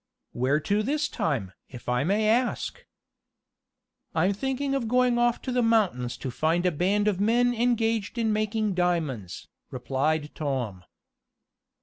"Where to this time? if I may ask." "I'm thinking of going off to the mountains to find a band of men engaged in making diamonds," replied Tom.